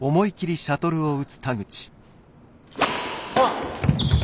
あっ！